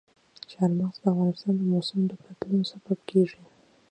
چار مغز د افغانستان د موسم د بدلون سبب کېږي.